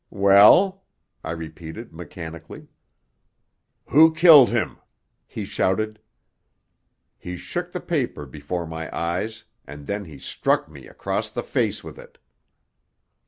"Well?" I repeated mechanically. "Who killed him?" he shouted. He shook the paper before my eyes and then he struck me across the face with it.